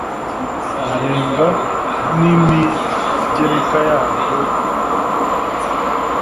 anenga n imigereka yaryo iyo ihari